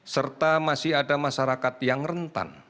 serta masih ada masyarakat yang rentan